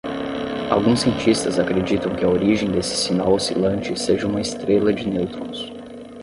Alguns cientistas acreditam que a origem desse sinal oscilante seja uma estrela de nêutrons.